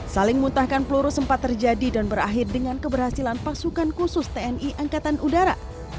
saling muntahkan peluru sempat terjadi dan berakhir dengan keberhasilan pasukan khusus tni angkatan udara